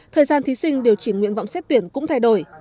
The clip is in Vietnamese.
thời gian thí sinh điều chỉnh nguyện vọng xét tuyển cũng thay đổi